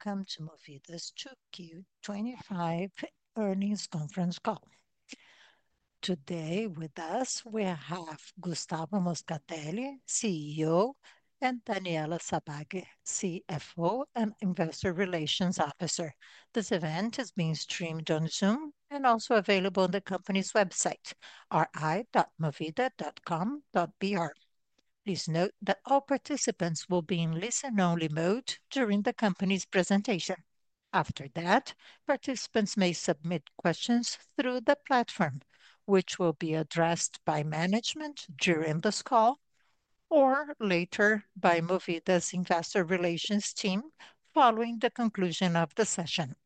Good morning and welcome to Movida's 2Q 2025 Earnings Conference Call. Today with us, we have Gustavo Moscatelli, CEO, and Daniela Sabbag, CFO and Investor Relations Officer. This event is being streamed on Zoom and also available on the company's website, ri.movida.com.br. Please note that all participants will be in listen-only mode during the company's presentation. After that, participants may submit questions through the platform, which will be addressed by management during this call or later by Movida's Investor Relations team following the conclusion of the session.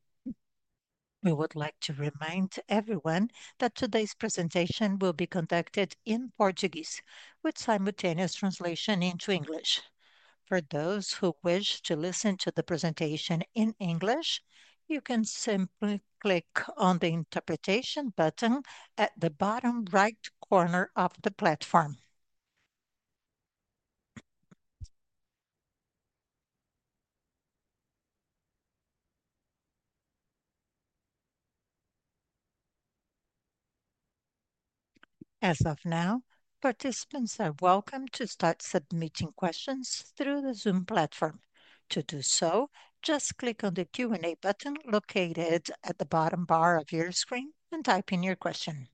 We would like to remind everyone that today's presentation will be conducted in Portuguese, with simultaneous translation into English. For those who wish to listen to the presentation in English, you can simply click on the interpretation button at the bottom right corner of the platform. As of now, participants are welcome to start submitting questions through the Zoom platform. To do so, just click on the Q&A button located at the bottom bar of your screen and type in your question.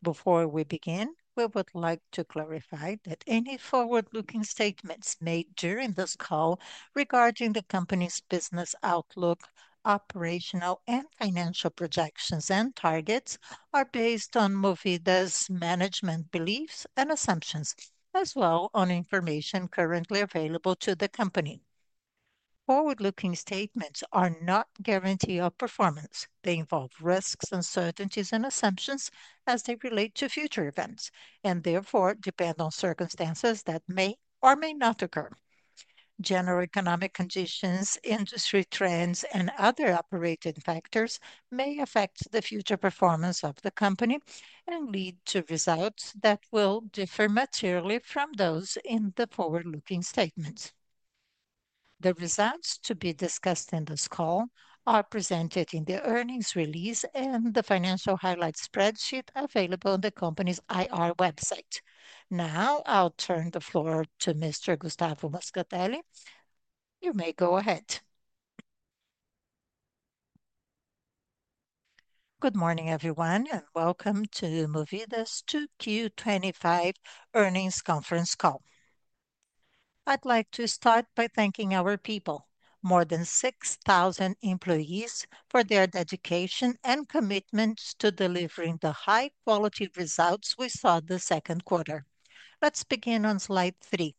Before we begin, we would like to clarify that any forward-looking statements made during this call regarding the company's business outlook, operational and financial projections, and targets are based on Movida's management beliefs and assumptions, as well as on information currently available to the company. Forward-looking statements are not guarantees of performance. They involve risks, uncertainties, and assumptions as they relate to future events and therefore depend on circumstances that may or may not occur. General economic conditions, industry trends, and other operating factors may affect the future performance of the company and lead to results that will differ materially from those in the forward-looking statements. The results to be discussed in this call are presented in the earnings release and the financial highlights spreadsheet available on the company's IR website. Now, I'll turn the floor to Mr. Gustavo Moscatelli. You may go ahead. Good morning, everyone, and welcome to Movida's 2Q 2025 Earnings Conference Call. I'd like to start by thanking our people, more than 6,000 employees, for their dedication and commitment to delivering the high-quality results we saw in the second quarter. Let's begin on slide three.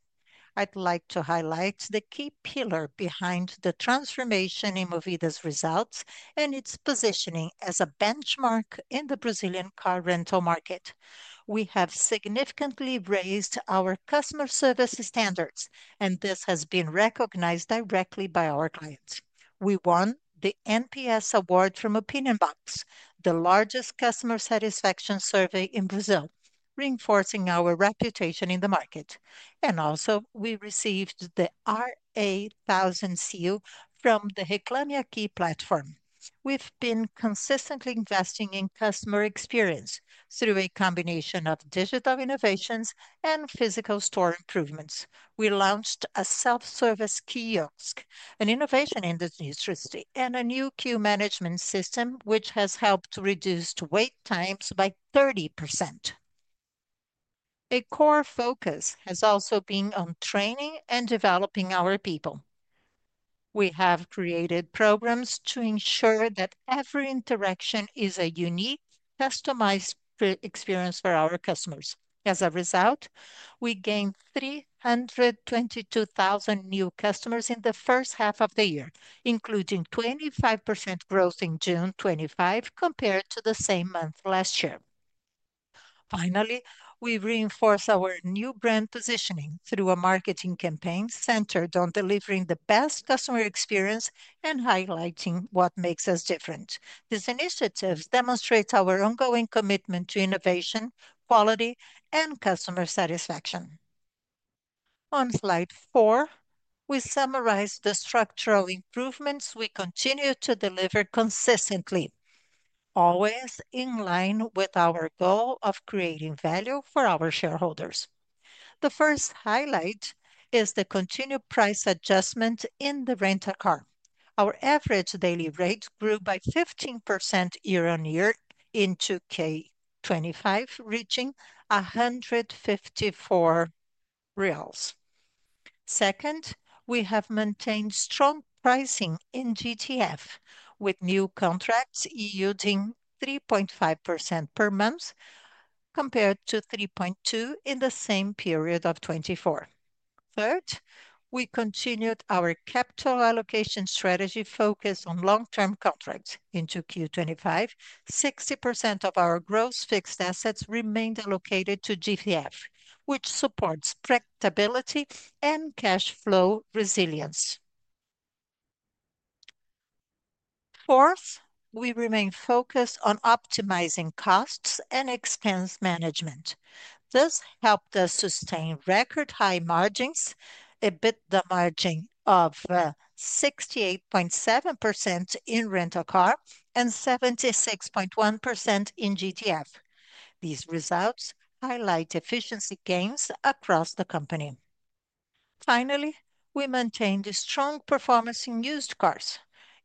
I'd like to highlight the key pillar behind the transformation in Movida's results and its positioning as a benchmark in the Brazilian rental car market. We have significantly raised our customer service standards, and this has been recognized directly by our clients. We won the NPS award from Opinion Box, the largest customer satisfaction survey in Brazil, reinforcing our reputation in the market. We also received the RA1000 Seal from the Reclame Aqui platform. We've been consistently investing in customer experience through a combination of digital innovations and physical store improvements. We launched a self-service kiosk, an innovation in this industry, and a new queue management system, which has helped reduce wait times by 30%. A core focus has also been on training and developing our people. We have created programs to ensure that every interaction is a unique, customized experience for our customers. As a result, we gained 322,000 new customers in the first half of the year, including 25% growth in June 2025 compared to the same month last year. Finally, we reinforce our new brand positioning through a marketing campaign centered on delivering the best customer experience and highlighting what makes us different. These initiatives demonstrate our ongoing commitment to innovation, quality, and customer satisfaction. On slide four, we summarize the structural improvements we continue to deliver consistently, always in line with our goal of creating value for our shareholders. The first highlight is the continued price adjustment in the rental car. Our average daily rate grew by 15% year-on-year in 2025, reaching 154 reais. Second, we have maintained strong pricing in GTF, with new contracts yielding 3.5% per month compared to 3.2% in the same period of 2024. Third, we continued our capital allocation strategy focused on long-term contracts. In 2025, 60% of our gross fixed assets remained allocated to GTF, which supports predictability and cash flow resilience. Fourth, we remain focused on optimizing costs and expense management. This helped us sustain record high margins, EBITDA margin of 68.7% in rental car and 76.1% in GTF. These results highlight efficiency gains across the company. Finally, we maintained a strong performance in used cars.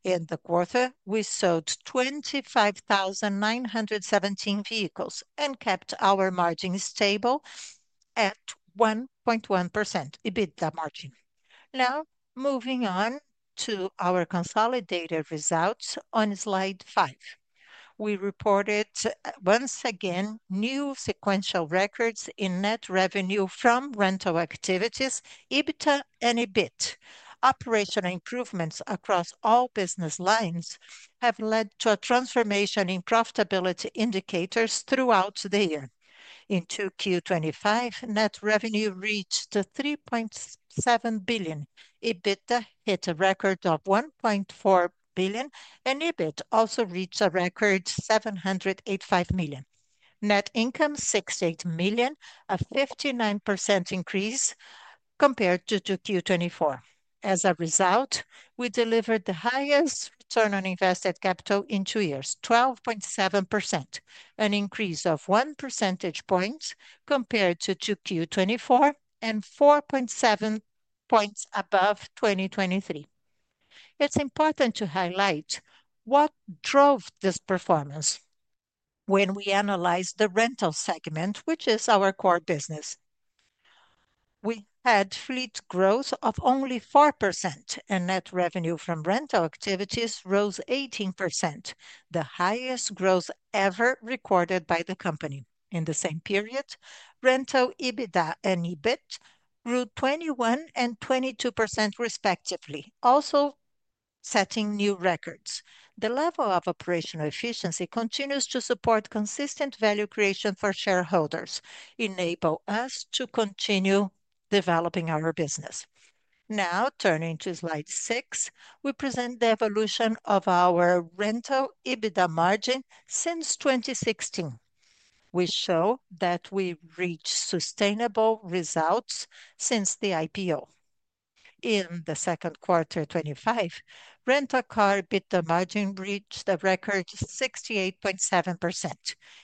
In the quarter, we sold 25,917 vehicles and kept our margins stable at 1.1% EBITDA margin. Now, moving on to our consolidated results on slide five, we reported once again new sequential records in net revenue from rental activities, EBITDA, and EBIT. Operational improvements across all business lines have led to a transformation in profitability indicators throughout the year. In 2025, net revenue reached 3.7 billion, EBITDA hit a record of 1.4 billion, and EBIT also reached a record of 785 million. Net income was 68 million, a 59% increase compared to 2024. As a result, we delivered the highest return on invested capital in two years, 12.7%, an increase of 1 percentage point compared to 2024 and 4.7 points above 2023. It's important to highlight what drove this performance. When we analyzed the rental segment, which is our core business, we had fleet growth of only 4%, and net revenue from rental activities rose 18%, the highest growth ever recorded by the company. In the same period, rental EBITDA and EBIT grew 21% and 22% respectively, also setting new records. The level of operational efficiency continues to support consistent value creation for shareholders, enabling us to continue developing our business. Now, turning to slide six, we present the evolution of our rental EBITDA margin since 2016. We show that we reached sustainable results since the IPO. In the second quarter of 2025, rental car EBITDA margin reached a record 68.7%.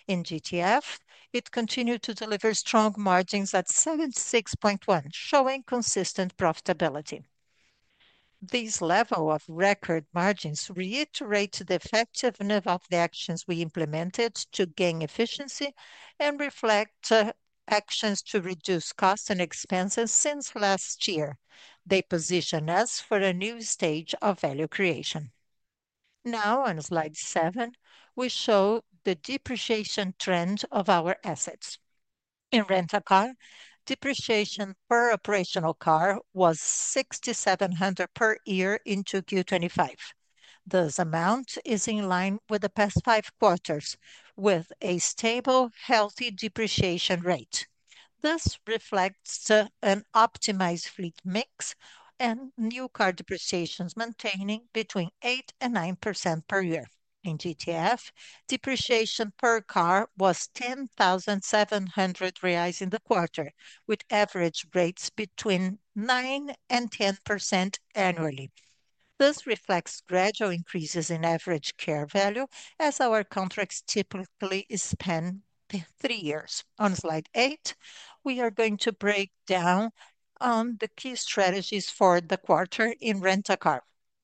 In GTF, it continued to deliver strong margins at 76.1%, showing consistent profitability. These levels of record margins reiterate the effectiveness of the actions we implemented to gain efficiency and reflect actions to reduce costs and expenses since last year. They position us for a new stage of value creation. Now, on slide seven, we show the depreciation trend of our assets. In rental car, depreciation per operational car was 6,700 per year in 2025. This amount is in line with the past five quarters, with a stable, healthy depreciation rate. This reflects an optimized fleet mix and new car depreciations maintaining between 8% and 9% per year. In GTF, depreciation per car was 10,700 reais in the quarter, with average rates between 9% and 10% annually. This reflects gradual increases in average car value as our contracts typically span three years. On slide eight, we are going to break down the key strategies for the quarter in rental car.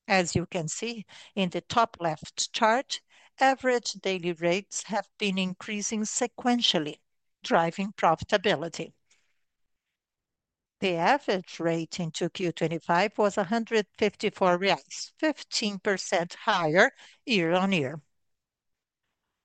As you can see in the top left chart, average daily rates have been increasing sequentially, driving profitability. The average rate in 2025 was 154 reais, 15% higher year-on-year.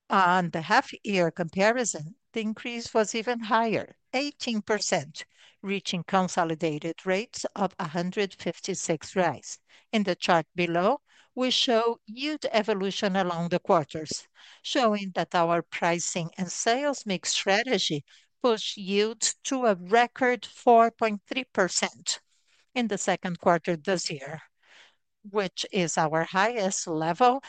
On the half-year comparison, the increase was even higher, 18%, reaching consolidated rates of 156. In the chart below, we show yield evolution along the quarters, showing that our pricing and sales mix strategy pushed yield to a record 4.3% in the second quarter this year, which is our highest level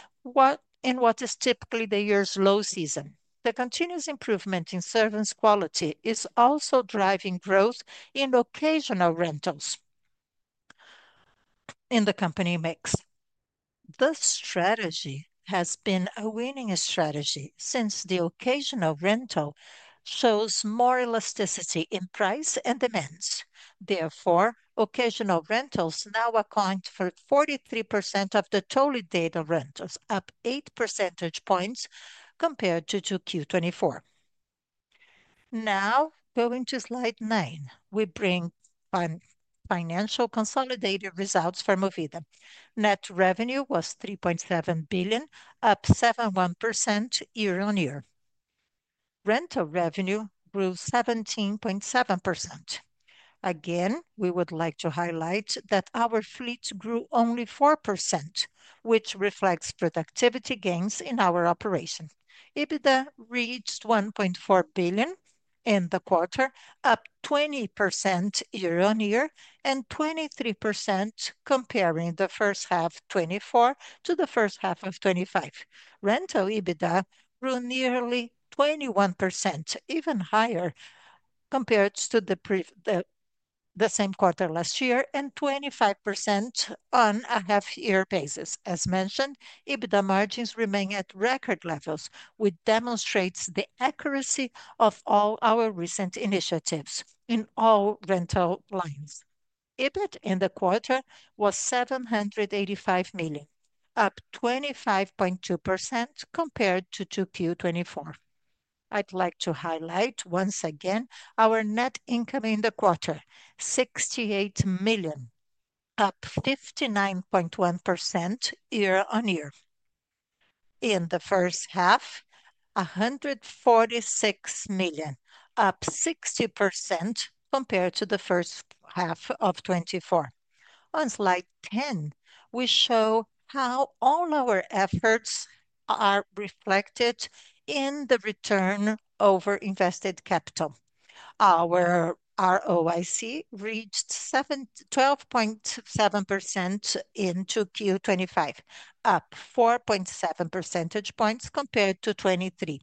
in what is typically the year's low season. The continuous improvement in service quality is also driving growth in occasional rentals in the company mix. This strategy has been a winning strategy since the occasional rental shows more elasticity in price and demands. Therefore, occasional rentals now account for 43% of the total data rentals, up 8 percentage points compared to 2024. Now, going to slide nine, we bring financial consolidated results from Movida. Net revenue was 3.7 billion, up 71% year-on-year. Rental revenue grew 17.7%. Again, we would like to highlight that our fleets grew only 4%, which reflects productivity gains in our operation. EBITDA reached 1.4 billion in the quarter, up 20% year-on-year, and 23% comparing the first half of 2024 to the first half of 2025. Rental EBITDA grew nearly 21%, even higher compared to the same quarter last year, and 25% on a half-year basis. As mentioned, EBITDA margins remain at record levels, which demonstrates the accuracy of all our recent initiatives in all rental lines. EBITDA in the quarter was 785 million, up 25.2% compared to 2024. I'd like to highlight once again our net income in the quarter, 68 million, up 59.1% year-on-year. In the first half, 146 million, up 60% compared to the first half of 2024. On slide ten, we show how all our efforts are reflected in the return over invested capital. Our ROIC reached 12.7% in 2025, up 4.7 percentage points compared to 2023.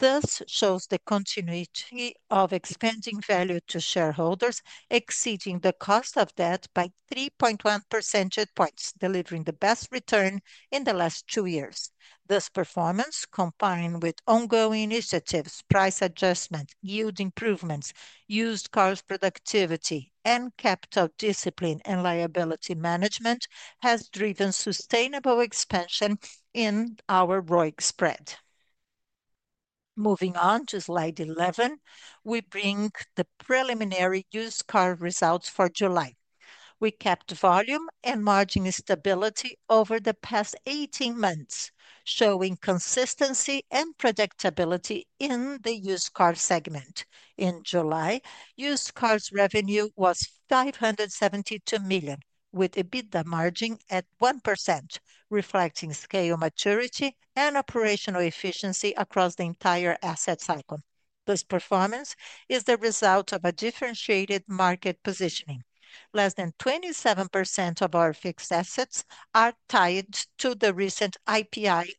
This shows the continuity of expanding value to shareholders, exceeding the cost of debt by 3.1 percentage points, delivering the best return in the last two years. This performance, combined with ongoing initiatives, price adjustment, yield improvements, used cars productivity, and capital discipline and liability management, has driven sustainable expansion in our ROIC spread. Moving on to slide 11, we bring the preliminary used car results for July. We kept volume and margin stability over the past 18 months, showing consistency and predictability in the used car segment. In July, used cars revenue was 572 million, with EBITDA margin at 1%, reflecting scale maturity and operational efficiency across the entire asset cycle. This performance is the result of a differentiated market positioning. Less than 27% of our fixed assets are tied to the recent IPI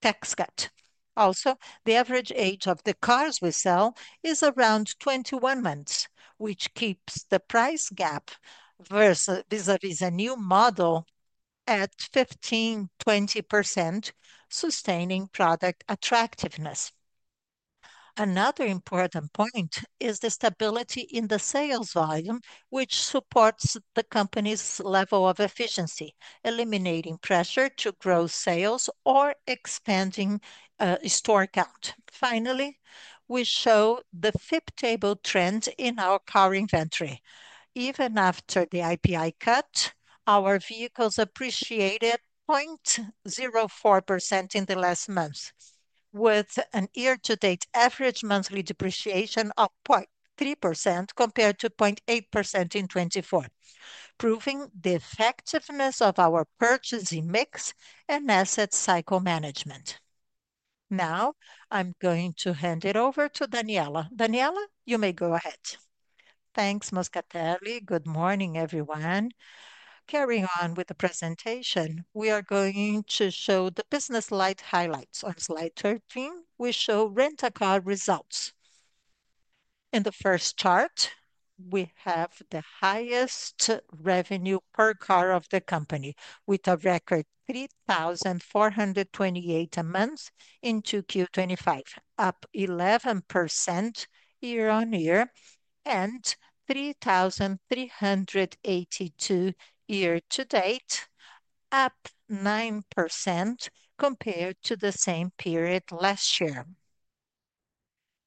tax cut. Also, the average age of the cars we sell is around 21 months, which keeps the price gap vis-à-vis a new model at 15%-20%, sustaining product attractiveness. Another important point is the stability in the sales volume, which supports the company's level of efficiency, eliminating pressure to grow sales or expanding a store account. Finally, we show the flip table trend in our car inventory. Even after the IPI cut, our vehicles appreciated 0.04% in the last month, with a year-to-date average monthly depreciation of 0.3% compared to 0.8% in 2024, proving the effectiveness of our purchasing mix and asset cycle management. Now, I'm going to hand it over to Daniela. Daniela, you may go ahead. Thanks, Moscatelli. Good morning, everyone. Carry on with the presentation. We are going to show the business highlights. On slide 13, we show rental car results. In the first chart, we have the highest revenue per car of the company, with a record 3,428 a month in 2025, up 11% year-on-year, and BRL 3,382 year-to-date, up 9% compared to the same period last year.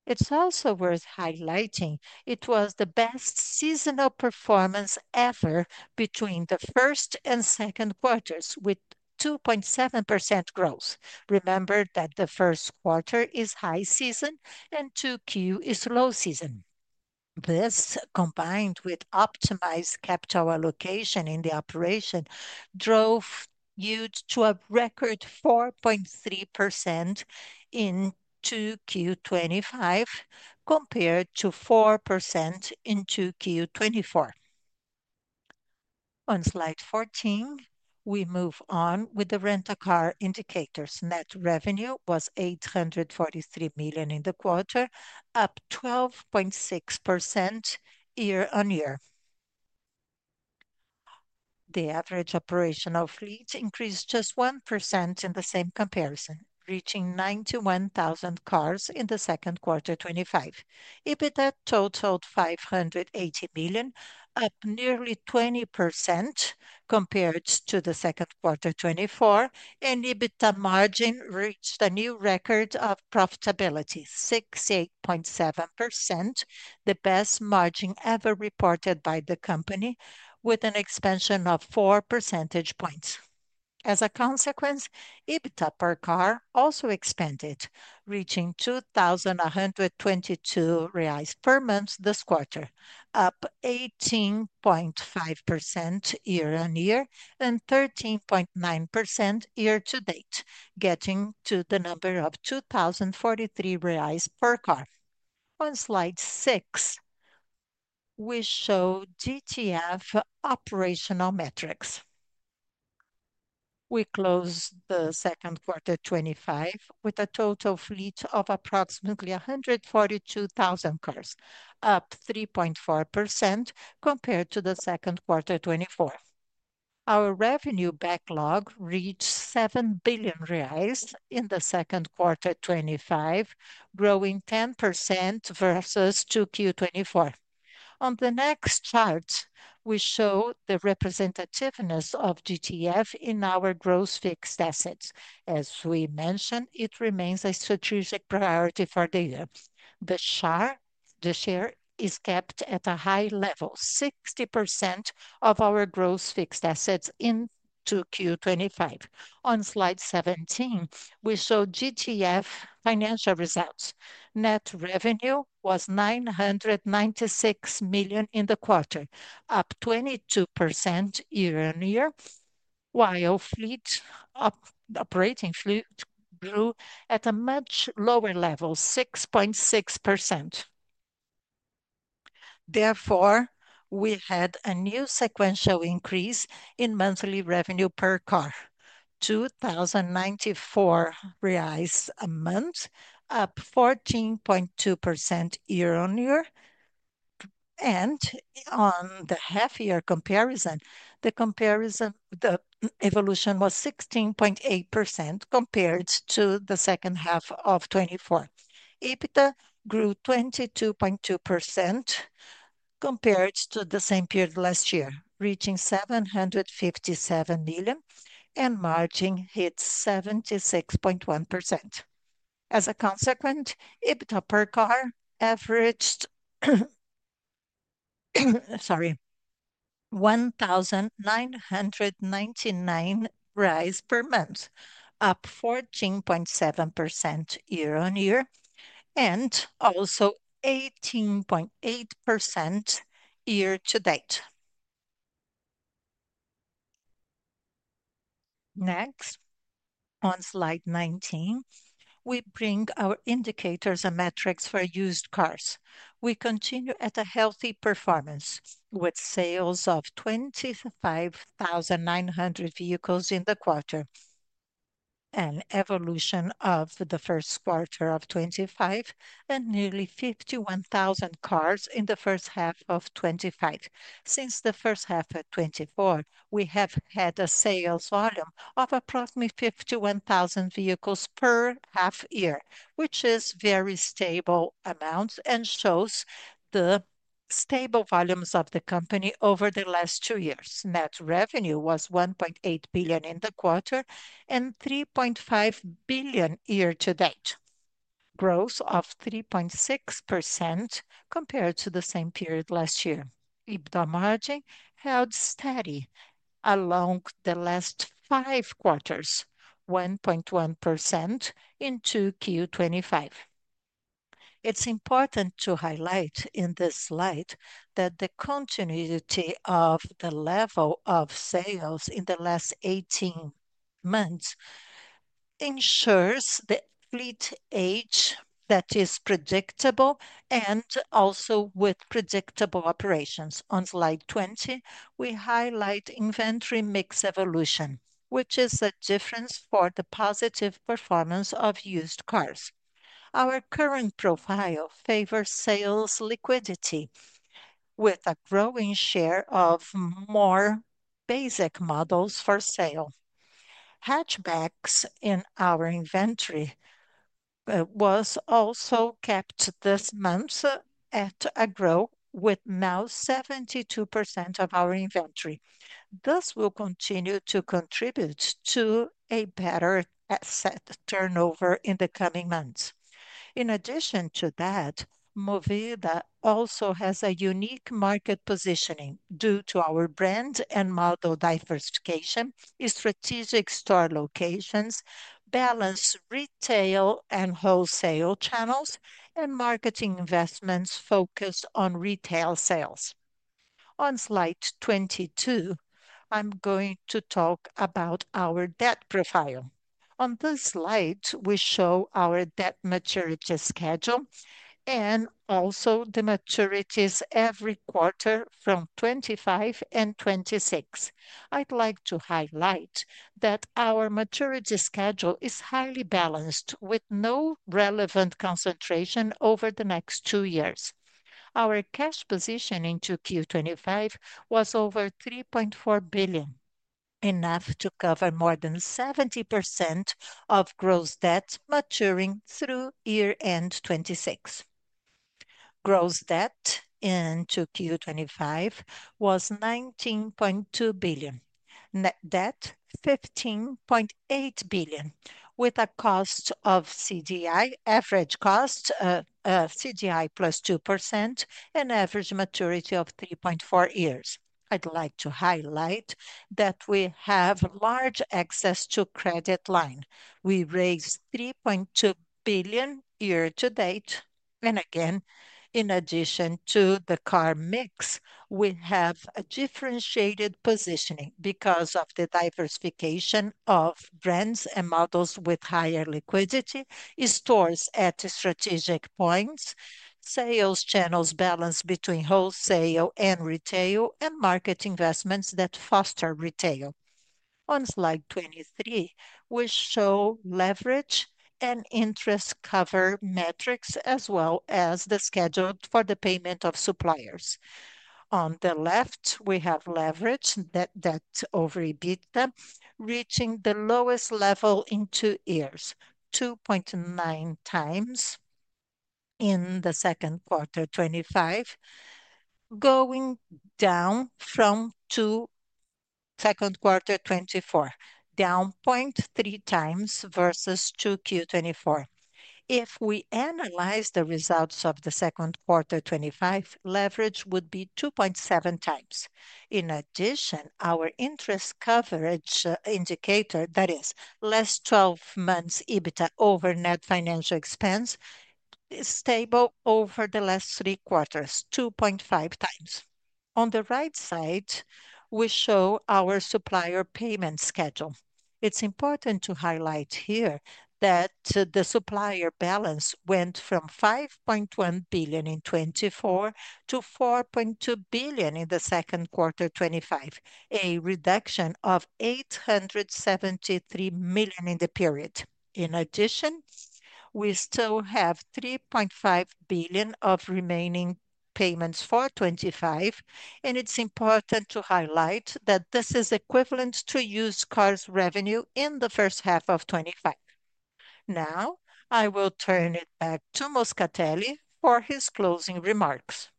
It's also worth highlighting it was the best seasonal performance ever between the first and second quarters, with 2.7% growth. Remember that the first quarter is high season and Q2 is low season. This, combined with optimized capital allocation in the operation, drove yield to a record 4.3% in 2025, compared to 4% in 2024. On slide 14, we move on with the rental car indicators. Net revenue was 843 million in the quarter, up 12.6% year-on-year. The average operational fleet increased just 1% in the same comparison, reaching 91,000 cars in the second quarter of 2025. EBITDA totaled 580 million, up nearly 20% compared to the second quarter of 2024, and EBITDA margin reached a new record of profitability, 68.7%, the best margin ever reported by the company, with an expansion of four percentage points. As a consequence, EBITDA per car also expanded, reaching 2,122 reais per month this quarter, up 18.5% year-on-year and 13.9% year-to-date, getting to the number of 2,043 reais per car. On slide six, we show GTF operational metrics. We close the second quarter of 2025 with a total fleet of approximately 142,000 cars, up 3.4% compared to the second quarter of 2024. Our revenue backlog reached 7 billion reais in the second quarter of 2025, growing 10% versus 2024. On the next chart, we show the representativeness of GTF in our gross fixed assets. As we mentioned, it remains a strategic priority for the year. The share is kept at a high level, 60% of our gross fixed assets in 2025. On slide 17, we show GTF financial results. Net revenue was 996 million in the quarter, up 22% year-on-year, while operating fleet grew at a much lower level, 6.6%. Therefore, we had a new sequential increase in monthly revenue per car, 2,094 reais a month, up 14.2% year-on-year. On the half-year comparison, the evolution was 16.8% compared to the second half of 2024. EBITDA grew 22.2% compared to the same period last year, reaching 757 million, and margin hit 76.1%. As a consequence, EBITDA per car averaged BRL 1,999 per month, up 14.7% year-on-year, and also 18.8% year-to-date. Next, on slide 19, we bring our indicators and metrics for used cars. We continue at a healthy performance with sales of 25,900 vehicles in the quarter, an evolution of the first quarter of 2025, and nearly 51,000 cars in the first half of 2025. Since the first half of 2024, we have had a sales volume of approximately 51,000 vehicles per half year, which is a very stable amount and shows the stable volumes of the company over the last two years. Net revenue was 1.8 billion in the quarter and 3.5 billion year-to-date, growth of 3.6% compared to the same period last year. EBITDA margin held steady along the last five quarters, 1.1% in 2025. It's important to highlight in this slide that the continuity of the level of sales in the last 18 months ensures the fleet age that is predictable and also with predictable operations. On slide 20, we highlight inventory mix evolution, which is a difference for the positive performance of used cars. Our current profile favors sales liquidity with a growing share of more basic models for sale. Hatchbacks in our inventory was also kept this month at a growth with now 72% of our inventory. This will continue to contribute to a better asset turnover in the coming months. In addition to that, Movida also has a unique market positioning due to our brand and model diversification, strategic store locations, balanced retail and wholesale channels, and marketing investments focused on retail sales. On slide 22, I'm going to talk about our debt profile. On this slide, we show our debt maturity schedule and also the maturities every quarter from 2025 and 2026. I'd like to highlight that our maturity schedule is highly balanced with no relevant concentration over the next two years. Our cash position in 2025 was over 3.4 billion, enough to cover more than 70% of gross debt maturing through year-end 2026. Gross debt in 2025 was 19.2 billion, net debt 15.8 billion, with a cost of CDI average cost of CDI +2% and average maturity of 3.4 years. I'd like to highlight that we have large access to credit line. We raised 3.2 billion year-to-date, and again, in addition to the car mix, we have a differentiated positioning because of the diversification of brands and models with higher liquidity, stores at strategic points, sales channels balanced between wholesale and retail, and market investments that foster retail. On slide 23, we show leverage and interest cover metrics as well as the schedule for the payment of suppliers. On the left, we have leverage net debt over EBITDA reaching the lowest level in two years, 2.9x in the second quarter of 2025, going down from the second quarter of 2024, down 0.3x versus 2024. If we analyze the results of the second quarter of 2025, leverage would be 2.7x. In addition, our interest coverage indicator, that is, last 12 months EBITDA over net financial expense, is stable over the last three quarters, 2.5x. On the right side, we show our supplier payment schedule. It's important to highlight here that the supplier balance went from 5.1 billion in 2024 to 4.2 billion in the second quarter of 2025, a reduction of 873 million in the period. In addition, we still have 3.5 billion of remaining payments for 2025, and it's important to highlight that this is equivalent to used cars revenue in the first half of 2025. Now, I will turn it back to Moscatelli for his closing remarks.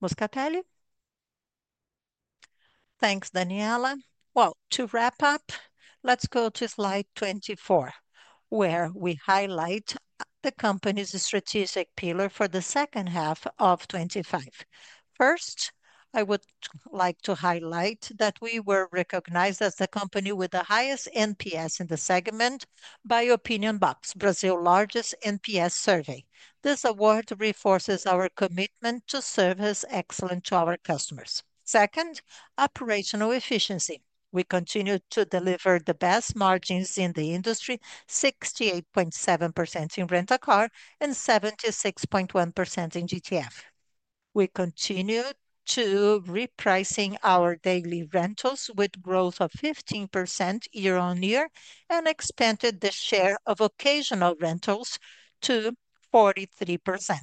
Moscatelli? Thanks, Daniela. To wrap up, let's go to slide 24, where we highlight the company's strategic pillar for the second half of 2025. First, I would like to highlight that we were recognized as the company with the highest NPS in the segment by Opinion Box, Brazil's largest NPS survey. This award reinforces our commitment to service excellence to our customers. Second, operational efficiency. We continue to deliver the best margins in the industry, 68.7% in rental car and 76.1% in GTF. We continue to repricing our daily rentals with growth of 15% year-on-year and expanded the share of occasional rentals to 43%.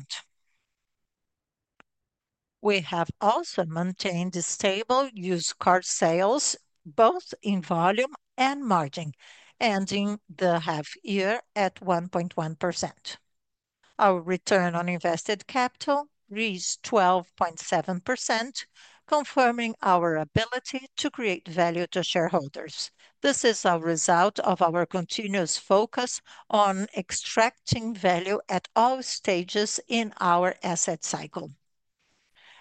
We have also maintained stable used car sales, both in volume and margin, ending the half-year at 1.1%. Our return on invested capital reached 12.7%, confirming our ability to create value to shareholders. This is a result of our continuous focus on extracting value at all stages in our asset cycle.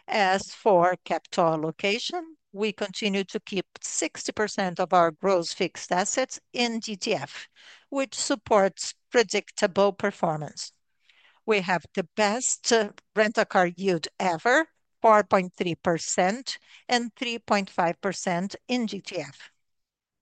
As for capital allocation, we continue to keep 60% of our gross fixed assets in GTF, which supports predictable performance. We have the best rental car yield ever, 4.3% and 3.5% in GTF.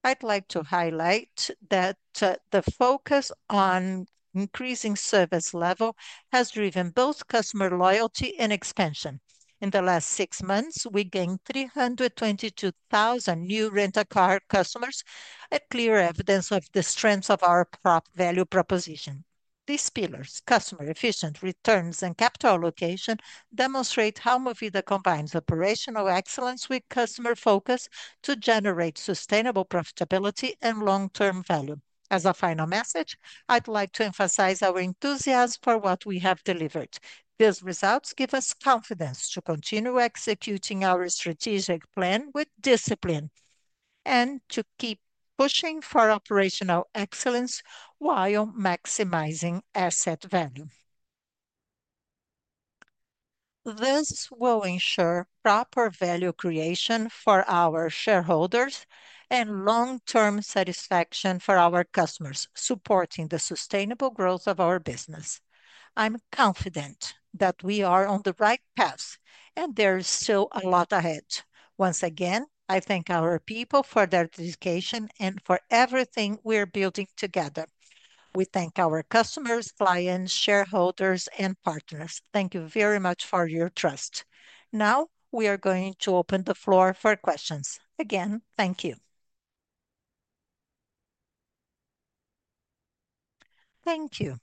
I'd like to highlight that the focus on increasing service level has driven both customer loyalty and expansion. In the last six months, we gained 322,000 new rental car customers, a clear evidence of the strength of our value proposition. These pillars, customer efficient returns and capital allocation, demonstrate how Movida combines operational excellence with customer focus to generate sustainable profitability and long-term value. As a final message, I'd like to emphasize our enthusiasm for what we have delivered. These results give us confidence to continue executing our strategic plan with discipline and to keep pushing for operational excellence while maximizing asset value. This will ensure proper value creation for our shareholders and long-term satisfaction for our customers, supporting the sustainable growth of our business. I'm confident that we are on the right path and there is still a lot ahead. Once again, I thank our people for their dedication and for everything we're building together. We thank our customers, clients, shareholders, and partners. Thank you very much for your trust. Now, we are going to open the floor for questions. Again, thank you. Thank you.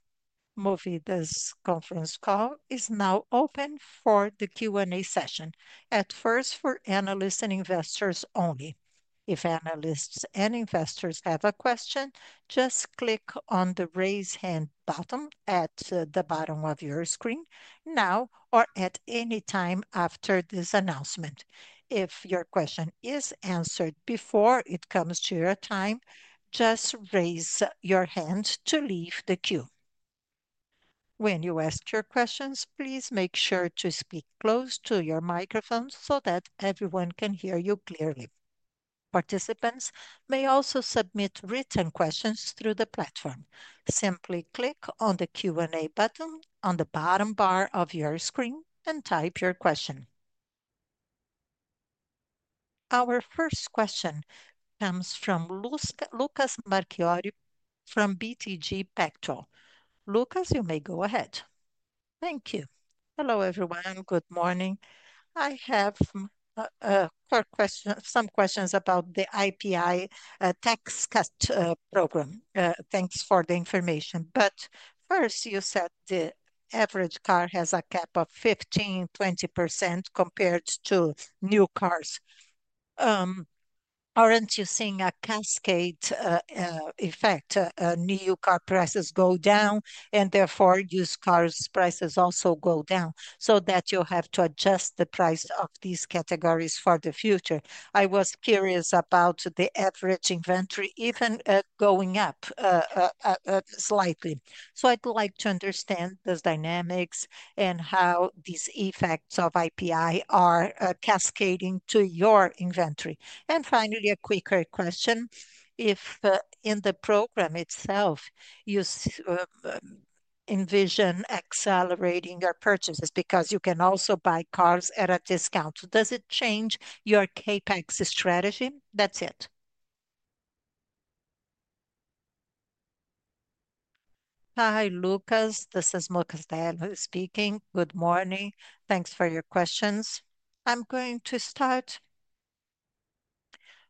Movida's conference call is now open for the Q&A session, at first for analysts and investors only. If analysts and investors have a question, just click on the raise hand button at the bottom of your screen now or at any time after this announcement. If your question is answered before it comes to your time, just raise your hand to leave the queue. When you ask your questions, please make sure to speak close to your microphone so that everyone can hear you clearly. Participants may also submit written questions through the platform. Simply click on the Q&A button on the bottom bar of your screen and type your question. Our first question comes from Lucas Marquiori from BTG Pactual. Lucas, you may go ahead. Thank you. Hello, everyone. Good morning. I have some questions about the IPI tax cut program. Thanks for the information. First, you said the average car has a cap of 15%-20% compared to new cars. Aren't you seeing a cascade effect? New car prices go down, and therefore used cars' prices also go down so that you have to adjust the price of these categories for the future. I was curious about the average inventory even going up slightly. I'd like to understand the dynamics and how these effects of IPI are cascading to your inventory. Finally, a quicker question. If in the program itself you envision accelerating your purchases because you can also buy cars at a discount, does it change your CapEx strategy? That's it. Hi, Lucas. This is Moscatelli speaking. Good morning. Thanks for your questions. I'm going to start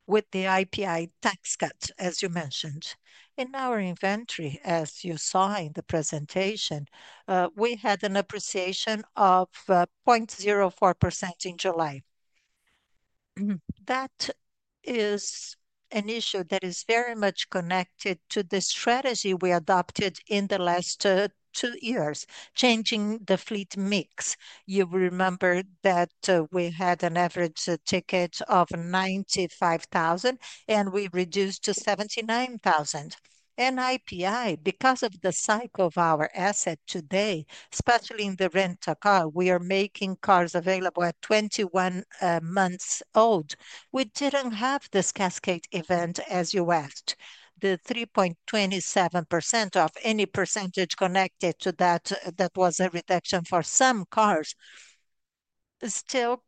with the IPI tax cut, as you mentioned. In our inventory, as you saw in the presentation, we had an appreciation of 0.04% in July. That is an issue that is very much connected to the strategy we adopted in the last two years, changing the fleet mix. You remember that we had an average ticket of $95,000 and we reduced to $79,000. IPI, because of the cycle of our asset today, especially in the rental car, we are making cars available at 21 months old. We didn't have this cascade event as you asked. The 3.27% of any percentage connected to that, that was a reduction for some cars, still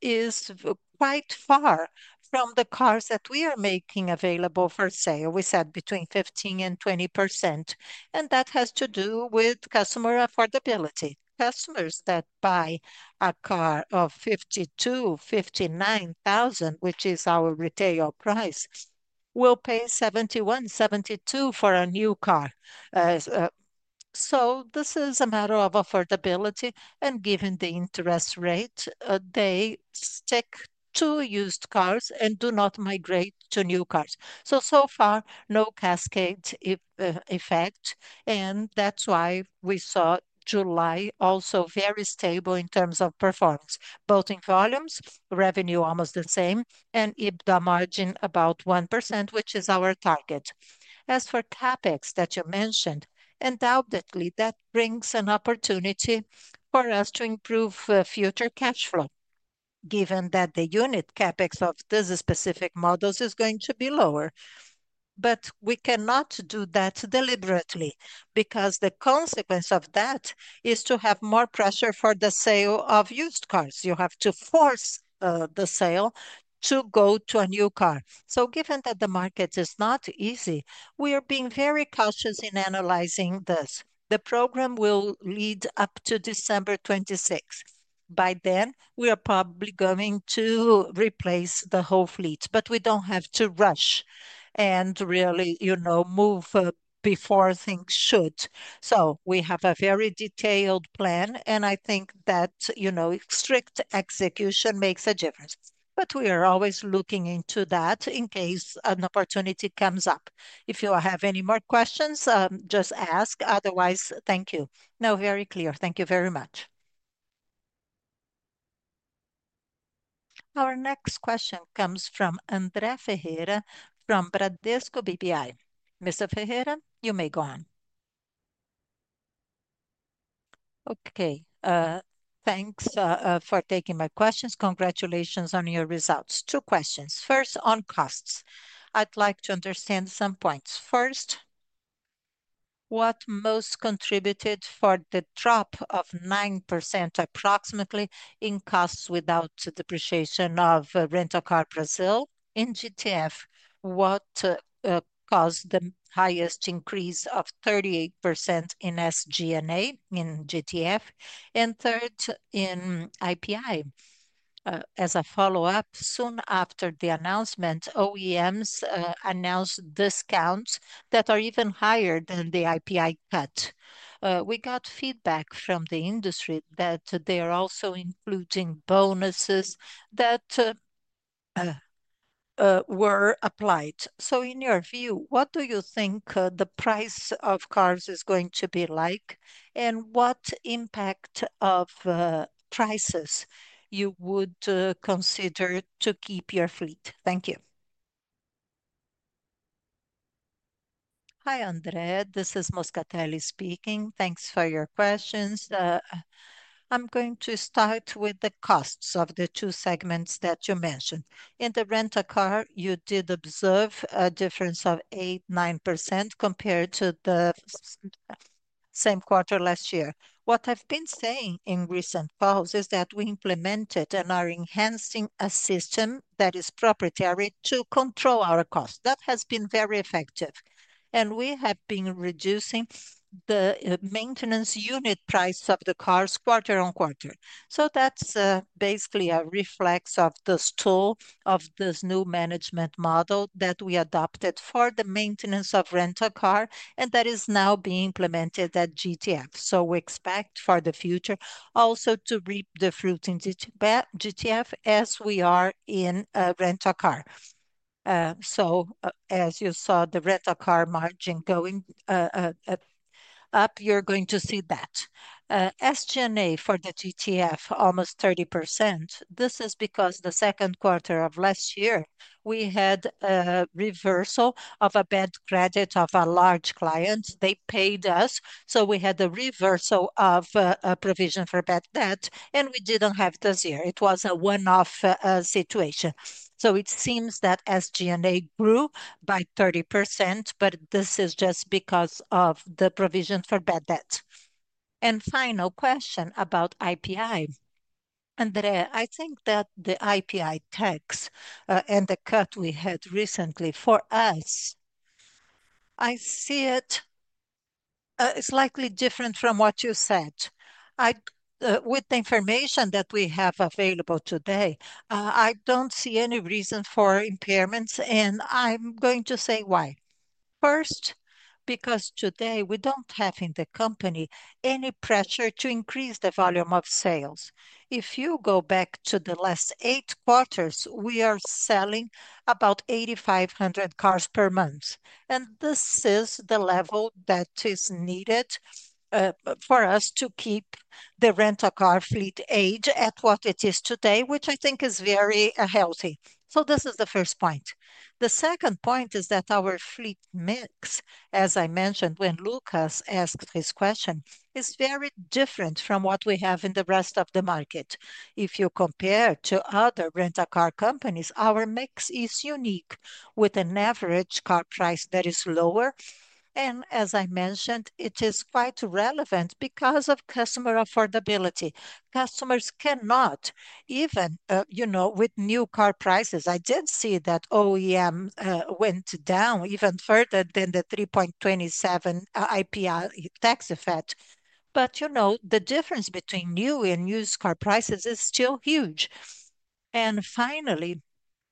is quite far from the cars that we are making available for sale. We said between 15% and 20%. That has to do with customer affordability. Customers that buy a car of $52,000, $59,000, which is our retail price, will pay $71,000, $72,000 for a new car. This is a matter of affordability, and given the interest rate, they stick to used cars and do not migrate to new cars. So far, no cascade effect, and that's why we saw July also very stable in terms of performance, both in volumes, revenue almost the same, and EBITDA margin about 1%, which is our target. As for CapEx that you mentioned, undoubtedly that brings an opportunity for us to improve future cash flow, given that the unit CapEx of these specific models is going to be lower. We cannot do that deliberately because the consequence of that is to have more pressure for the sale of used cars. You have to force the sale to go to a new car. Given that the market is not easy, we are being very cautious in analyzing this. The program will lead up to December 26. By then, we are probably going to replace the whole fleet, but we don't have to rush and really move before things should. We have a very detailed plan, and I think that strict execution makes a difference. We are always looking into that in case an opportunity comes up. If you have any more questions, just ask. Otherwise, thank you. No, very clear. Thank you very much. Our next question comes from Andre Ferreira from Bradesco BBI. Mr. Ferreira, you may go on. Okay. Thanks for taking my questions. Congratulations on your results. Two questions. First, on costs. I'd like to understand some points. First, what most contributed for the drop of 9% approximately in costs without depreciation of rental car Brazil? In GTF, what caused the highest increase of 38% in SG&A in GTF? Third, in IPI. As a follow-up, soon after the announcement, OEMs announced discounts that are even higher than the IPI cut. We got feedback from the industry that they are also including bonuses that were applied. In your view, what do you think the price of cars is going to be like? What impact of prices would you consider to keep your fleet? Thank you. Hi, Andrea. This is Moscatelli speaking. Thanks for your questions. I'm going to start with the costs of the two segments that you mentioned. In the rental car, you did observe a difference of 8%-9% compared to the same quarter last year. What I've been saying in recent calls is that we implemented and are enhancing a system that is proprietary to control our costs. That has been very effective. We have been reducing the maintenance unit price of the cars quarter on quarter. That's basically a reflex of the stool of this new management model that we adopted for the maintenance of rental car, and that is now being implemented at GTF. We expect for the future also to reap the fruit in GTF as we are in rental car. As you saw the rental car margin going up, you're going to see that. SG&A for the GTF, almost 30%. This is because the second quarter of last year, we had a reversal of a bad credit of a large client. They paid us, so we had a reversal of a provision for bad debt, and we didn't have it this year. It was a one-off situation. It seems that SG&A grew by 30%, but this is just because of the provision for bad debt. Final question about IPI. Andre, I think that the IPI tax and the cut we had recently for us, I see it slightly different from what you said. With the information that we have available today, I don't see any reason for impairments, and I'm going to say why. First, because today we don't have in the company any pressure to increase the volume of sales. If you go back to the last eight quarters, we are selling about 8,500 cars per month. This is the level that is needed for us to keep the rental car fleet age at what it is today, which I think is very healthy. This is the first point. The second point is that our fleet mix, as I mentioned when Lucas asked his question, is very different from what we have in the rest of the market. If you compare to other rental car companies, our mix is unique with an average car price that is lower. As I mentioned, it is quite relevant because of customer affordability. Customers cannot even, you know, with new car prices. I did see that OEM went down even further than the 3.27% IPI tax effect. You know, the difference between new and used car prices is still huge. Finally,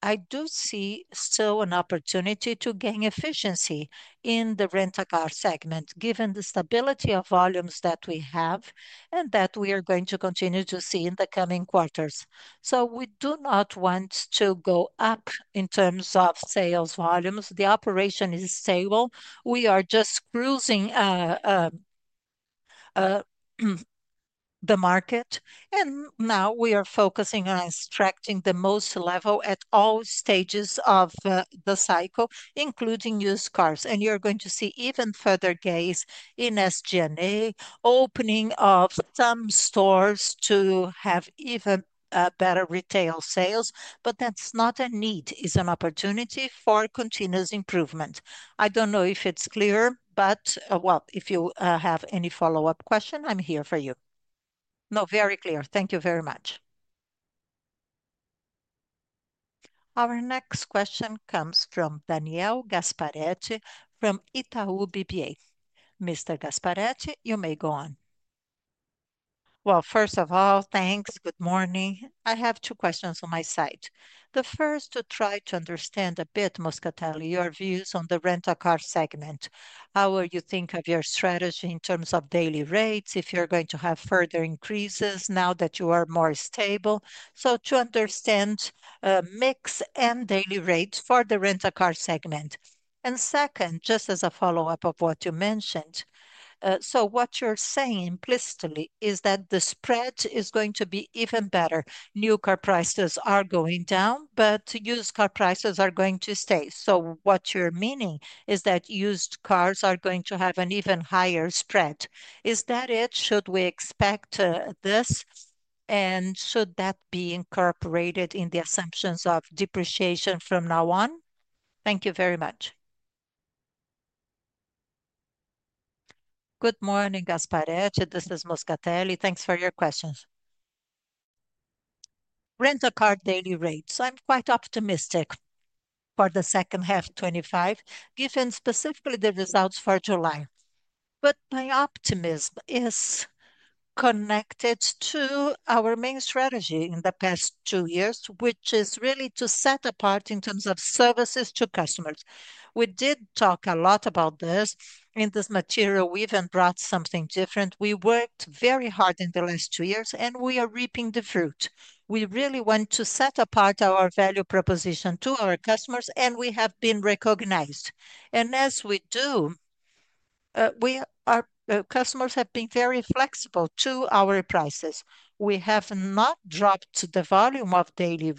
I do see still an opportunity to gain efficiency in the rental car segment, given the stability of volumes that we have and that we are going to continue to see in the coming quarters. We do not want to go up in terms of sales volumes. The operation is stable. We are just cruising the market. Now we are focusing on extracting the most level at all stages of the cycle, including used cars. You're going to see even further gains in SG&A, opening of some stores to have even better retail sales. That's not a need; it's an opportunity for continuous improvement. I don't know if it's clear, but if you have any follow-up question, I'm here for you. No, very clear. Thank you very much. Our next question comes from Daniel Gasparete from Itaú BBA. Ms. Gasparete, you may go on. Thank you. Good morning. I have two questions on my side. The first to try to understand a bit, Moscatelli, your views on the rental car segment. How will you think of your strategy in terms of daily rates if you're going to have further increases now that you are more stable? To understand a mix and daily rates for the rental car segment. Second, just as a follow-up of what you mentioned, what you're saying implicitly is that the spread is going to be even better. New car prices are going down, but used car prices are going to stay. What you're meaning is that used cars are going to have an even higher spread. Is that it? Should we expect this? Should that be incorporated in the assumptions of depreciation from now on? Thank you very much. Good morning, Gasparete. This is Moscatelli. Thanks for your questions. Rental car daily rates. I'm quite optimistic for the second half of 2025, given specifically the results for July. My optimism is connected to our main strategy in the past two years, which is really to set apart in terms of services to customers. We did talk a lot about this in this material. We even brought something different. We worked very hard in the last two years, and we are reaping the fruit. We really want to set apart our value proposition to our customers, and we have been recognized. As we do, customers have been very flexible to our prices. We have not dropped the volume of daily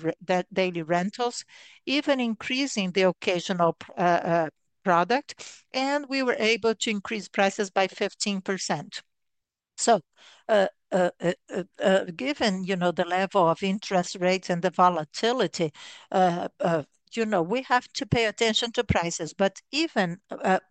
rentals, even increasing the occasional product, and we were able to increase prices by 15%. Given the level of interest rates and the volatility, you know we have to pay attention to prices. Even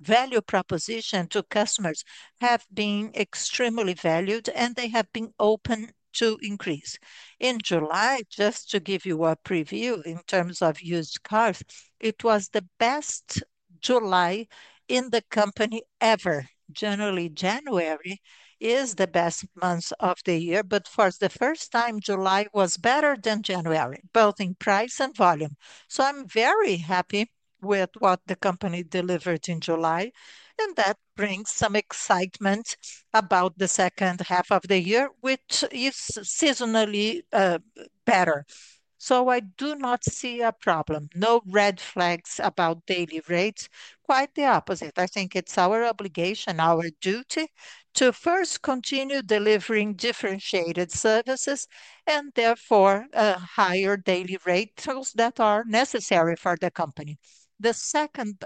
value propositions to customers have been extremely valued, and they have been open to increase. In July, just to give you a preview in terms of used cars, it was the best July in the company ever. Generally, January is the best month of the year, but for the first time, July was better than January, both in price and volume. I'm very happy with what the company delivered in July, and that brings some excitement about the second half of the year, which is seasonally better. I do not see a problem. No red flags about daily rates. Quite the opposite. I think it's our obligation, our duty, to first continue delivering differentiated services and therefore higher daily rates that are necessary for the company. The second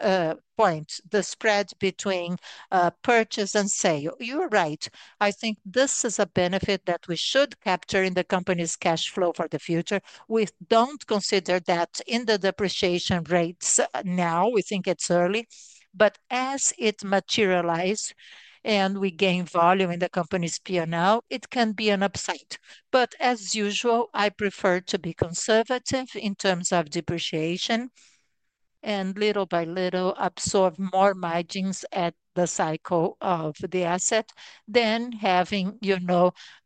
point, the spread between purchase and sale. You're right. I think this is a benefit that we should capture in the company's cash flow for the future. We don't consider that in the depreciation rates now. We think it's early. As it materializes and we gain volume in the company's P&L, it can be an upside. As usual, I prefer to be conservative in terms of depreciation and little by little absorb more margins at the cycle of the asset than having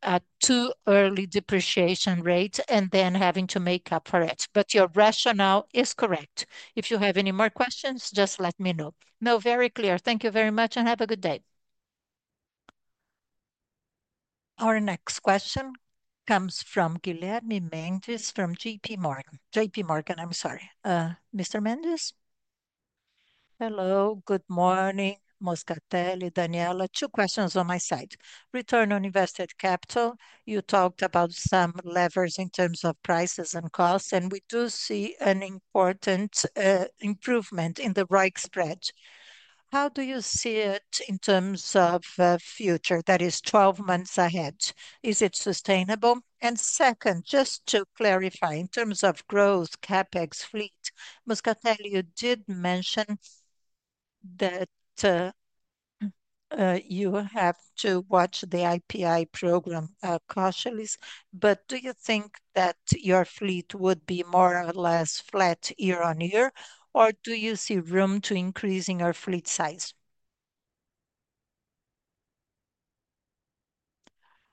a too early depreciation rate and then having to make up for it. Your rationale is correct. If you have any more questions, just let me know. No, very clear. Thank you very much and have a good day. Our next question comes from Guilherme Mendes from JPMorgan. JPMorgan, I'm sorry. Mr. Mendes? Hello. Good morning, Moscatelli, Daniela. Two questions on my side. Return on invested capital. You talked about some levers in terms of prices and costs, and we do see an important improvement in the right spread. How do you see it in terms of the future that is 12 months ahead? Is it sustainable? And second, just to clarify, in terms of growth, CapEx fleet, Moscatelli, you did mention that you have to watch the IPI tax program cautiously. Do you think that your fleet would be more or less flat year-on-year, or do you see room to increase in your fleet size?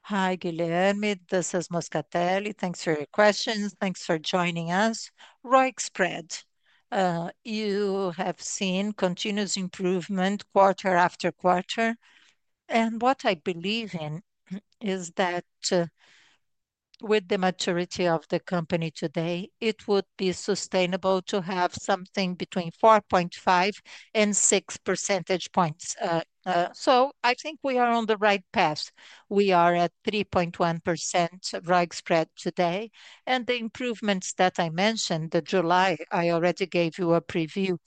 Hi, Guilherme. This is Moscatelli. Thanks for your questions. Thanks for joining us. Right spread, you have seen continuous improvement quarter after quarter. What I believe in is that with the maturity of the company today, it would be sustainable to have something between 4.5% and 6%. I think we are on the right path. We are at 3.1% right spread today. The improvements that I mentioned, July, I already gave you a preview.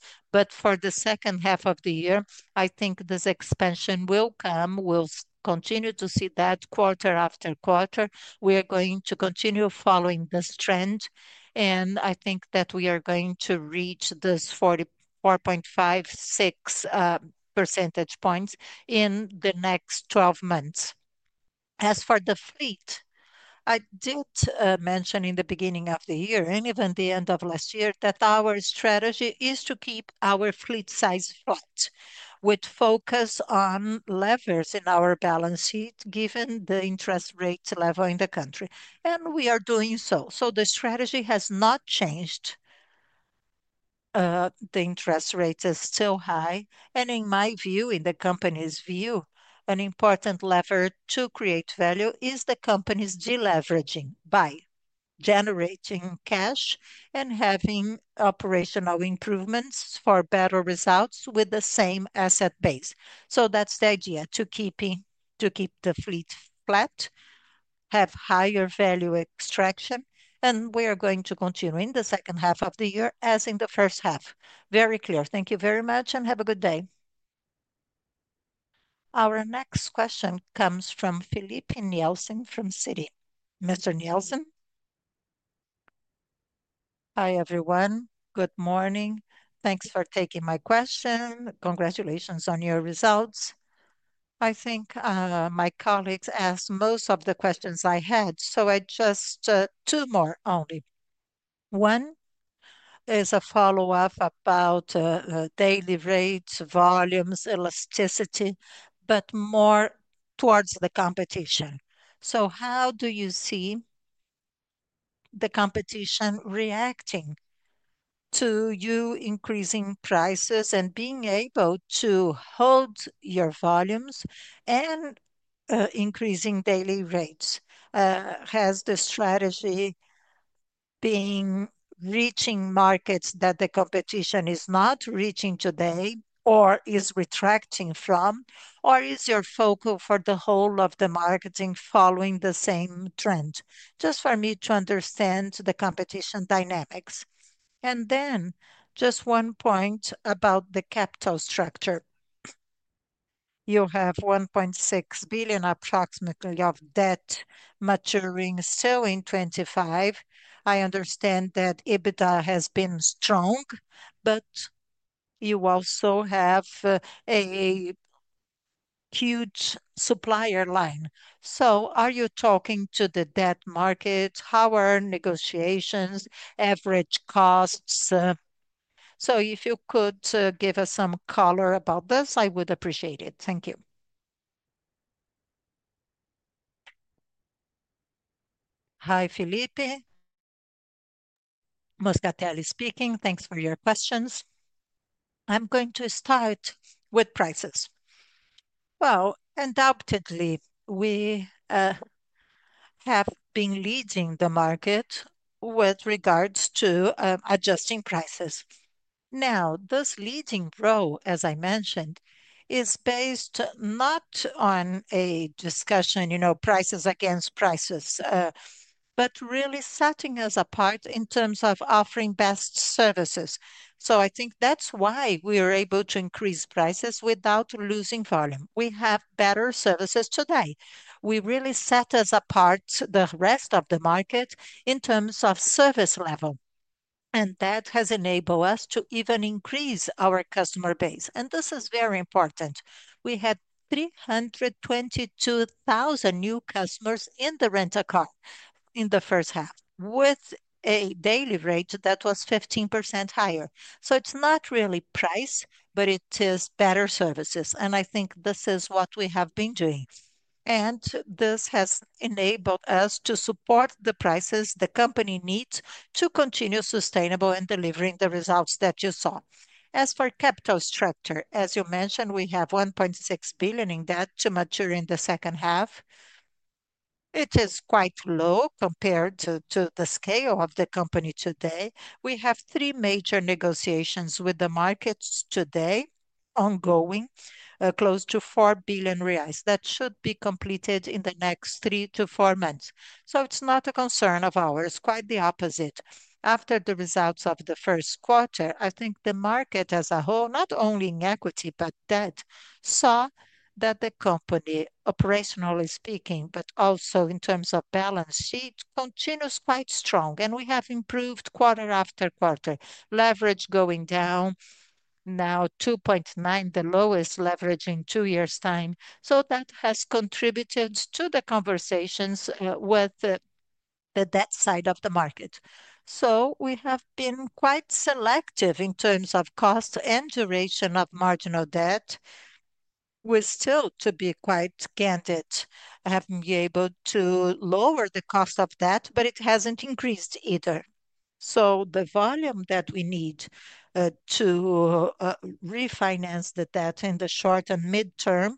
For the second half of the year, I think this expansion will come. We will continue to see that quarter after quarter. We are going to continue following this trend. I think that we are going to reach this 4.5%-6% in the next 12 months. As for the fleet, I did mention in the beginning of the year and even the end of last year that our strategy is to keep our fleet size flat, with focus on levers in our balance sheet, given the interest rates level in the country. We are doing so. The strategy has not changed. The interest rate is still high. In my view, in the company's view, an important lever to create value is the company's deleveraging by generating cash and having operational improvements for better results with the same asset base. That's the idea: to keep the fleet flat, have higher value extraction, and we are going to continue in the second half of the year as in the first half. Very clear. Thank you very much and have a good day. Our next question comes from Filipe Nielsen from Citi. Mr. Nielsen. Hi, everyone. Good morning. Thanks for taking my question. Congratulations on your results. I think my colleagues asked most of the questions I had, so just two more only. One is a follow-up about daily rates, volumes, elasticity, but more towards the competition. How do you see the competition reacting to you increasing prices and being able to hold your volumes and increasing daily rates? Has the strategy been reaching markets that the competition is not reaching today or is retracting from, or is your focus for the whole of the marketing following the same trend? Just for me to understand the competition dynamics. And then just one point about the capital structure. You have 1.6 billion approximately of debt maturing still in 2025. I understand that EBITDA has been strong, but you also have a huge supplier line. Are you talking to the debt market? How are negotiations, average costs? If you could give us some color about this, I would appreciate it. Thank you. Hi, Filipe. Moscatelli speaking. Thanks for your questions. I'm going to start with prices. Undoubtedly, we have been leading the market with regards to adjusting prices. This leading role, as I mentioned, is based not on a discussion, you know, prices against prices, but really setting us apart in terms of offering best services. I think that's why we are able to increase prices without losing volume. We have better services today. We really set us apart from the rest of the market in terms of service level, and that has enabled us to even increase our customer base. This is very important. We had 322,000 new customers in the rental car in the first half, with a daily rate that was 15% higher. It's not really price, but it is better services. I think this is what we have been doing, and this has enabled us to support the prices the company needs to continue sustainable and delivering the results that you saw. As for capital structure, as you mentioned, we have 1.6 billion in debt to mature in the second half. It is quite low compared to the scale of the company today. We have three major negotiations with the markets today, ongoing, close to $4 billion reais. That should be completed in the next three to four months. It's not a concern of ours. Quite the opposite. After the results of the first quarter, I think the market as a whole, not only in equity but debt, saw that the company, operationally speaking, but also in terms of balance sheet, continues quite strong. We have improved quarter after quarter. Leverage going down, now 2.9x, the lowest leverage in two years' time. That has contributed to the conversations with the debt side of the market. We have been quite selective in terms of cost and duration of marginal debt. We're still, to be quite candid, having been able to lower the cost of debt, but it hasn't increased either. The volume that we need to refinance the debt in the short and mid-term,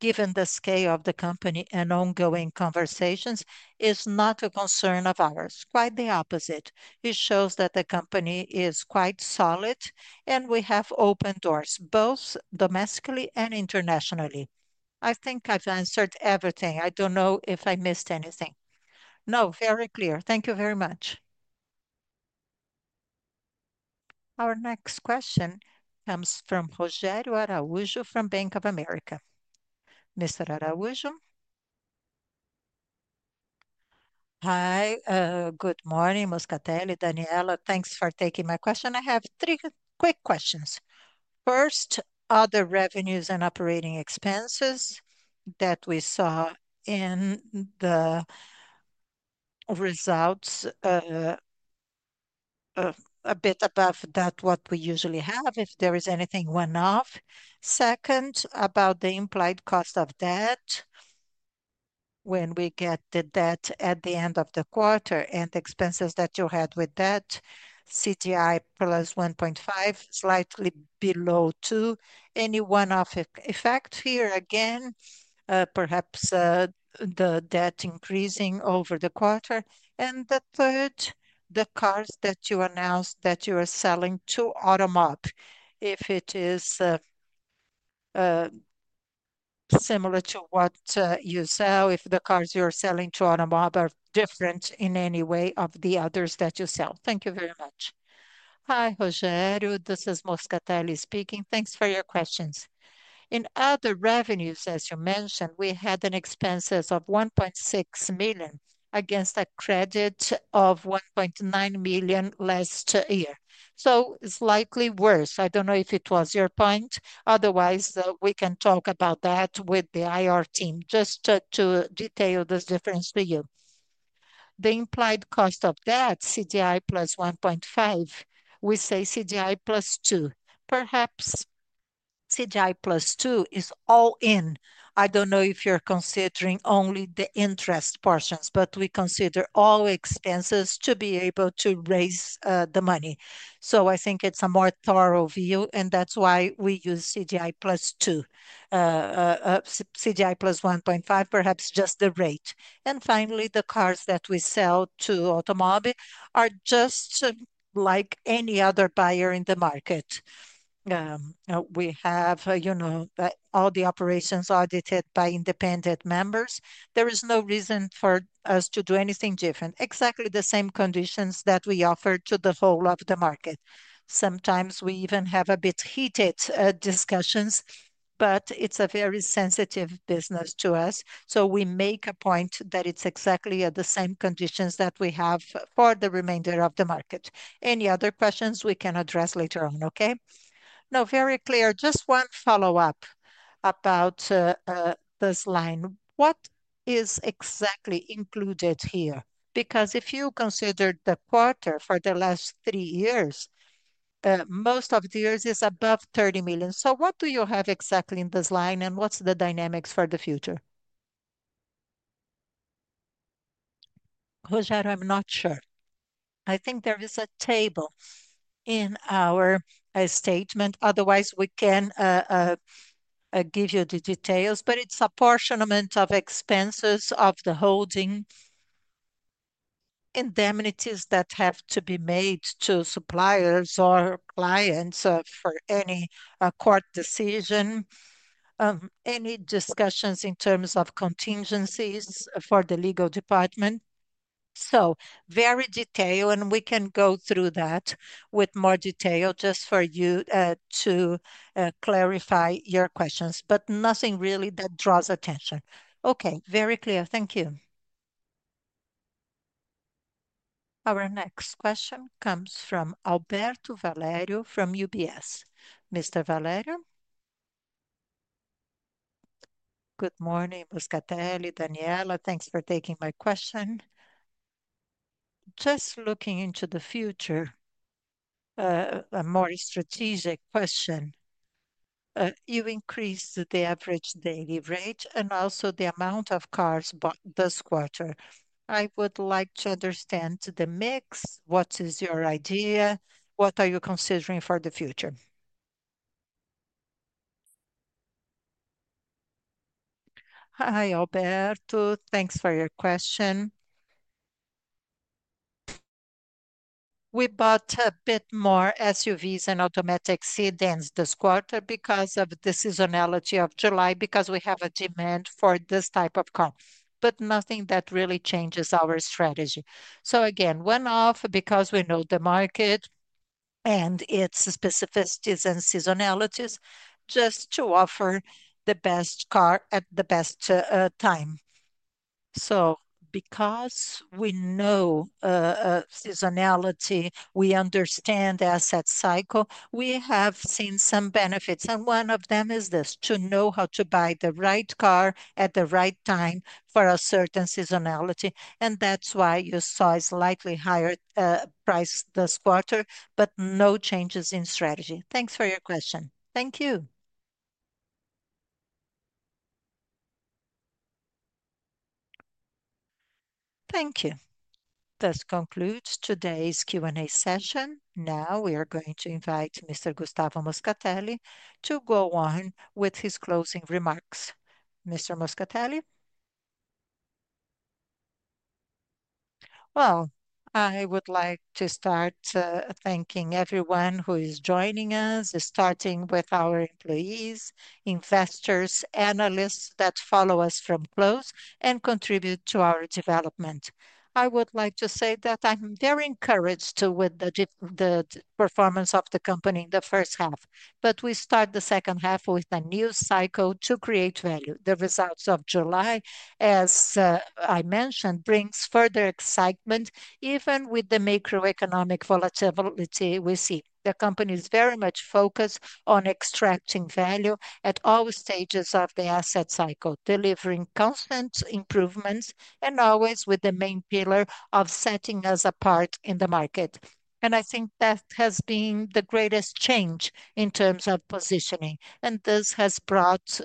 given the scale of the company and ongoing conversations, is not a concern of ours. Quite the opposite. It shows that the company is quite solid, and we have open doors, both domestically and internationally. I think I've answered everything. I don't know if I missed anything. No, very clear. Thank you very much. Our next question comes from [Jose Araujo] from Bank of America. Mr. Araujo. Hi. Good morning, Moscatelli. Daniela, thanks for taking my question. I have three quick questions. First, are the revenues and operating expenses that we saw in the results a bit above what we usually have? If there is anything one-off. Second, about the implied cost of debt, when we get the debt at the end of the quarter and the expenses that you had with debt, CDI +1.5%, slightly below 2%. Any one-off effect here again? Perhaps the debt increasing over the quarter. And the third, the cars that you announced that you are selling to AUTOMOB. If it is similar to what you sell, if the cars you are selling to AUTOMOB are different in any way from the others that you sell. Thank you very much. Hi, [Jose]. This is Moscatelli speaking. Thanks for your questions. In other revenues, as you mentioned, we had an expense of $1.6 million against a credit of $1.9 million last year. It's slightly worse. I don't know if it was your point. Otherwise, we can talk about that with the IR team, just to detail this difference to you. The implied cost of debt, CDI +1.5%. We say CDI +2%. Perhaps CDI +2% is all in. I don't know if you're considering only the interest portions, but we consider all expenses to be able to raise the money. I think it's a more thorough view, and that's why we use CDI +2. CDI +1.5%, perhaps just the rate. Finally, the cars that we sell to AUTOMOB are just like any other buyer in the market. We have all the operations audited by independent members. There is no reason for us to do anything different. Exactly the same conditions that we offer to the whole of the market. Sometimes we even have a bit heated discussions, but it's a very sensitive business to us. We make a point that it's exactly at the same conditions that we have for the remainder of the market. Any other questions we can address later on, okay? No, very clear. Just one follow-up about this line. What is exactly included here? Because if you consider the quarter for the last three years, most of the years is above $30 million. What do you have exactly in this line and what's the dynamics for the future? [Jose], I'm not sure. I think there is a table in our statement. Otherwise, we can give you the details, but it's a portion of expenses of the holding, indemnities that have to be made to suppliers or clients for any court decision, any discussions in terms of contingencies for the legal department. Very detailed, and we can go through that with more detail just for you to clarify your questions, but nothing really that draws attention. Okay, very clear. Thank you. Our next question comes from Alberto Valerio from UBS. Mr. Valerio. Good morning, Moscatelli. Daniela, thanks for taking my question. Just looking into the future, a more strategic question. You increased the average daily rate and also the amount of cars this quarter. I would like to understand the mix. What is your idea? What are you considering for the future? Hi, Alberto. Thanks for your question. We bought a bit more SUVs and automatic sedans this quarter because of the seasonality of July, because we have a demand for this type of car, but nothing that really changes our strategy. One-off because we know the market and its specificities and seasonalities, just to offer the best car at the best time. Because we know seasonality, we understand the asset cycle, we have seen some benefits. One of them is this: to know how to buy the right car at the right time for a certain seasonality. That's why you saw a slightly higher price this quarter, but no changes in strategy. Thanks for your question. Thank you. Thank you. This concludes today's Q&A session. Now we are going to invite Mr. Gustavo Moscatelli to go on with his closing remarks. Mr. Moscatelli? I would like to start thanking everyone who is joining us, starting with our employees, investors, analysts that follow us from close and contribute to our development. I would like to say that I'm very encouraged with the performance of the company in the first half, but we start the second half with a new cycle to create value. The results of July, as I mentioned, bring further excitement, even with the macroeconomic volatility we see. The company is very much focused on extracting value at all stages of the asset cycle, delivering constant improvements and always with the main pillar of setting us apart in the market. I think that has been the greatest change in terms of positioning. This has brought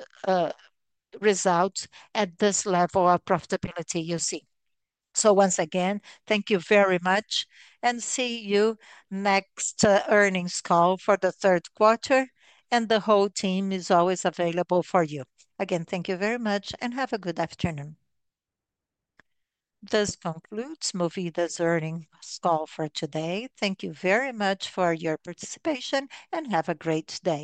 results at this level of profitability you see. Once again, thank you very much and see you next earnings call for the third quarter. The whole team is always available for you. Again, thank you very much and have a good afternoon. This concludes Movida's earnings call for today. Thank you very much for your participation and have a great day.